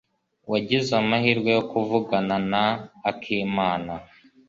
Wagize amahirwe yo kuvugana na Akimana?